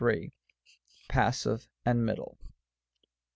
PASSIVE AND MIDDLE.